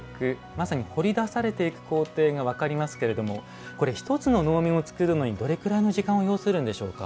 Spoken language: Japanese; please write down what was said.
まさに彫りだされていく工程が分かりますけど１つの能面を作るのにどれぐらいの時間を要するんでしょうか？